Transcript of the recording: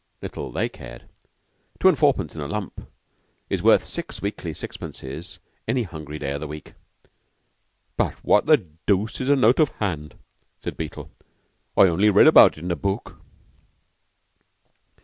Little they cared! Two and fourpence in a lump is worth six weekly sixpences any hungry day of the week. "But what the dooce is a note of hand?" said Beetle. "I only read about it in a book."